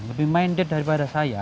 lebih minded daripada saya